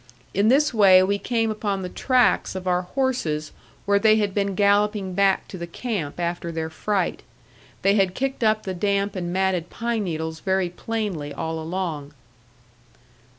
In this way we came upon the tracks of our horses where they had been galloping back to the camp after their fright. They had kicked up the damp and matted pine needles very plainly all along.